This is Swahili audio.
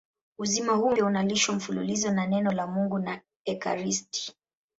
Uzima huo mpya unalishwa mfululizo na Neno la Mungu na ekaristi.